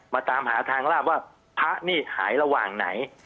ตามหาทางลาบว่าพระนี่หายระหว่างไหน